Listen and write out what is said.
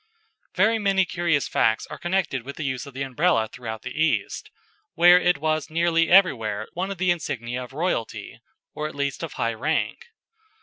Very many curious facts are connected with the use of the Umbrella throughout the East, where it was nearly everywhere one of the insignia of royalty, or at least of high rank.